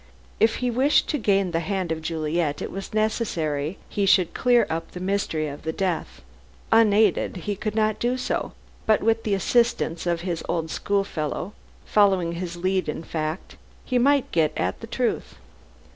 If he wished to gain the hand of Juliet, it was necessary he should clear up the mystery of the death. Unaided, he could not do so, but with the assistance of his old schoolfellow following his lead in fact he might get at the truth.